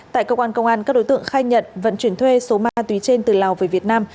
tại cơ quan công an các đối tượng khai nhận vận chuyển thuê số ma túy trên từ lào về việt nam